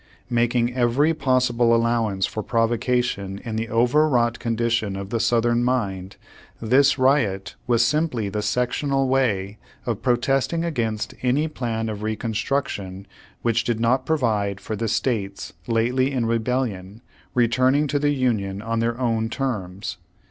Making every pos sible allowance for provocation in the over wrought condition of the southern mind, this riot was simply the sectional way of protesting against any plan of Reconstruction which did not provide for the states lately in rebellion, returning to the Union on their ov/n terms.